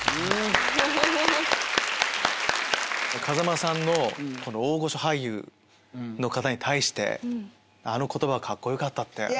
風間さんのこの大御所俳優の方に対してあの言葉はカッコよかったって。